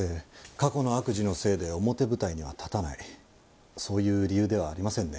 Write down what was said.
過去の悪事のせいで表舞台には立たないそういう理由ではありませんね。